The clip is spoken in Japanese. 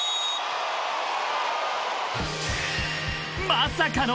［まさかの］